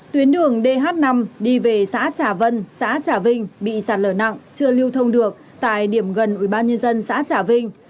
tuyến đường dh năm đi về xã trà vân xã trà vinh bị sạt lở nặng chưa lưu thông được tại điểm gần ubnd xã trà vinh